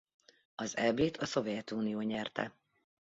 Az Eb-t a Szovjetunió nyerte.